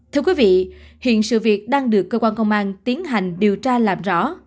thưa quý vị hiện sự việc đang được cơ quan công an tiến hành điều tra làm rõ